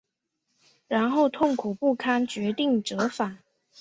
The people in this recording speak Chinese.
然后痛苦不堪决定折返